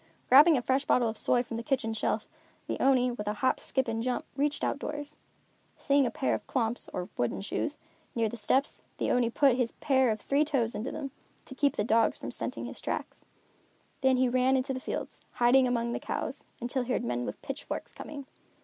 Grabbing a fresh bottle of soy from the kitchen shelf, the Oni, with a hop, skip and jump, reached outdoors. Seeing a pair of klomps, or wooden shoes, near the steps, the Oni put his pair of three toes into them, to keep the dogs from scenting its tracks. Then he ran into the fields, hiding among the cows, until he heard men with pitchforks coming.